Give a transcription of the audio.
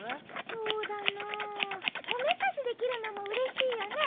そうだなあおめかしできるのもうれしいよね。